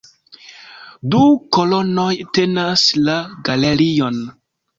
Du kolonoj tenas la galerion.